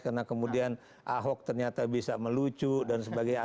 karena kemudian ahok ternyata bisa melucu dan sebagainya